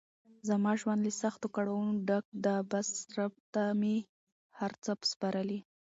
زما ژوند له سختو کړاونو ډګ ده بس رب ته مې هر څه سپارلی.